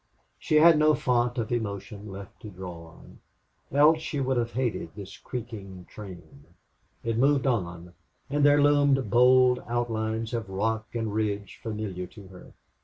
She had no fount of emotion left to draw upon, else she would have hated this creaking train. It moved on. And there loomed bold outlines of rock and ridge familiar to her.